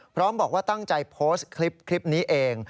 พร้อมบอกว่าตั้งใจโพสต์คลิปนี้เอง